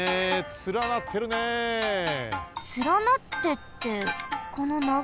つらなってってこのながい団地かな？